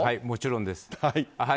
もちろんです。